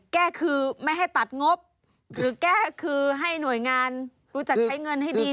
แก้คือไม่ให้ตัดงบหรือแก้คือให้หน่วยงานรู้จักใช้เงินให้ดี